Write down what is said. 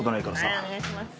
お願いします